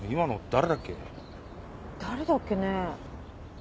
誰だっけねえ。